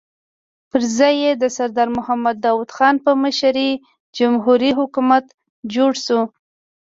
پر ځای یې د سردار محمد داؤد خان په مشرۍ جمهوري حکومت جوړ شو.